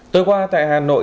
tối qua tại hà nội